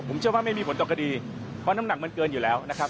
ผมเชื่อว่าไม่มีผลต่อคดีเพราะน้ำหนักมันเกินอยู่แล้วนะครับ